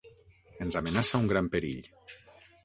Ens amenaça un gran perill.